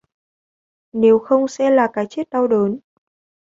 Nếu không sẽ là cái chết đau đớn